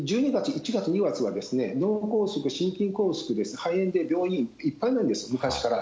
１２月、１月、２月は脳梗塞、心筋梗塞とか肺炎で、病院、いっぱいなんです、昔から。